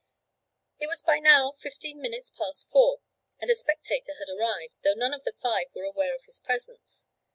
It was by now fifteen minutes past four, and a spectator had arrived, though none of the five were aware of his presence.